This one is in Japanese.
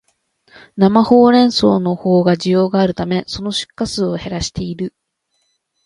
生ホウレンソウのほうが需要があるため、その出荷数を減らしている